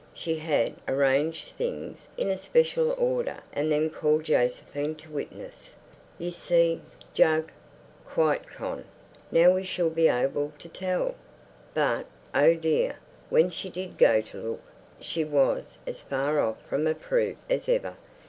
She had arranged things in a special order and then called Josephine to witness. "You see, Jug?" "Quite, Con." "Now we shall be able to tell." But, oh dear, when she did go to look, she was as far off from a proof as ever!